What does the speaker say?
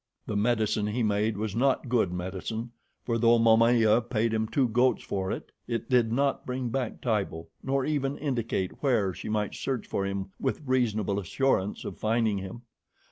The medicine he made was not good medicine, for though Momaya paid him two goats for it, it did not bring back Tibo, nor even indicate where she might search for him with reasonable assurance of finding him.